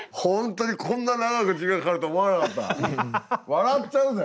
笑っちゃうぜ。